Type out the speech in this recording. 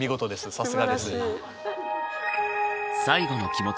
さすがです。